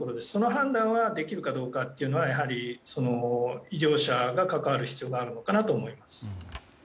その判断ができるかどうかはやはり医療者が関わる必要があるかと思います。